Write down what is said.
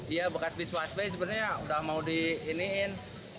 iya bekas bis busway sebenarnya udah mau di iniin